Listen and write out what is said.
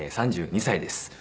３２歳です。